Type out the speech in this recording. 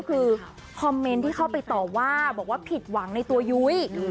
คือคอมเมนต์ที่เข้าไปต่อว่าบอกว่าผิดหวังในตัวยุ้ย